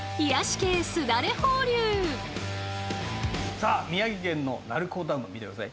さあ宮城県の鳴子ダム見て下さい。